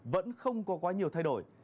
vẫn không có quá nhiều thay đổi